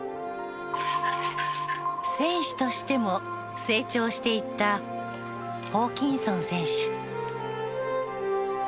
選手としても成長していったホーキンソン選手。